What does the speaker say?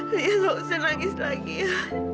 liya tidak usah nangis lagi ya